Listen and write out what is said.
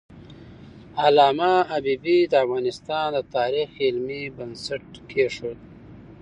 علامه حبیبي د افغانستان د تاریخ علمي بنسټ کېښود.